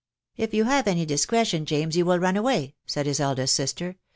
" If you have any discretion, James, you will run away, said his eldest sister